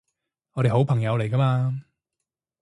我哋好朋友嚟㗎嘛